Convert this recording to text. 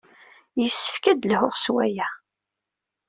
Yessefk ad d-lhuɣ s waya.